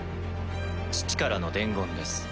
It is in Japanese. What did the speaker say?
父からの伝言です